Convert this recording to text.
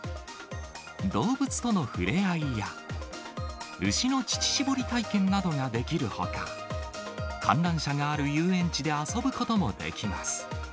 動物とのふれあいや、牛の乳搾り体験などができるほか、観覧車がある遊園地で遊ぶこともできます。